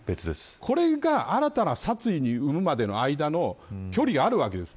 これが新たな殺意を生むまでの間に距離があるわけです。